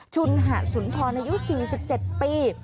ชุนหะสุนทรอายุ๔๗ปี